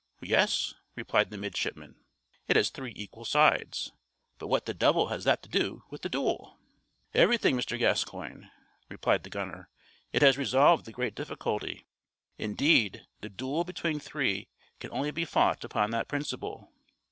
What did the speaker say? "Yes," replied the midshipman; "it has three equal sides. But what the devil has that to do with the duel?" "Everything, Mr. Gascoigne," replied the gunner; "it has resolved the great difficulty; indeed, the duel between three can only be fought upon that principle.